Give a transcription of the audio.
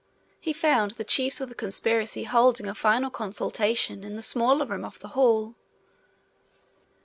He found the chiefs of the conspiracy holding a final consultation in the smaller room off the hall.